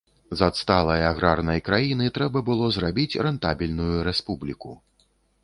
З адсталай аграрнай краіны трэба было зрабіць рэнтабельную рэспубліку.